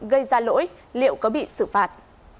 gây ra lỗi liệu có bị xử phạt